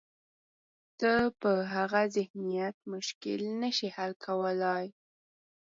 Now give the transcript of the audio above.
ته په هغه ذهنیت مشکل نه شې حل کولای.